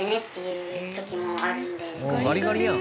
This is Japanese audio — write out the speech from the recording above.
ガリガリやん。